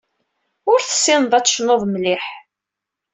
Ur tessineḍ ad tecnuḍ mliḥ.